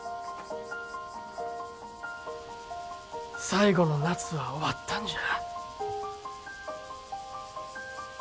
最後の夏は終わったんじゃ。